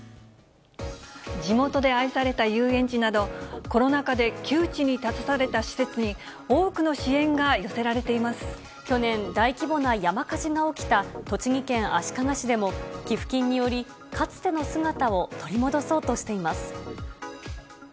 地元で愛された遊園地など、コロナ禍で窮地に立たされた施設に、多くの支援が寄せられていま去年、大規模な山火事が起きた栃木県足利市でも、寄付金により、かつての姿を取り戻そうとしています。